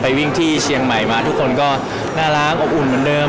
วิ่งที่เชียงใหม่มาทุกคนก็น่ารักอบอุ่นเหมือนเดิม